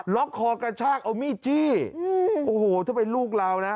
ล็อกคอกระชากโอ้โฮถ้าเป็นลูกเรานะ